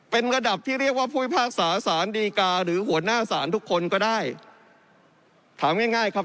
เป็นระดับที่เรียกว่าผู้พิพากษาสารดีกาหรือหัวหน้าศาลทุกคนก็ได้ถามง่ายง่ายครับ